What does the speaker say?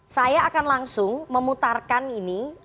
saya akan langsung memutarkan ini